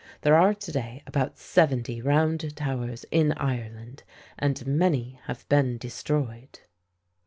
There are today about seventy Round Towers in Ireland, and many have been destroyed.